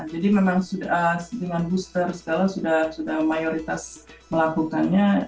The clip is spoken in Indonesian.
jadi memang dengan booster sudah mayoritas melakukannya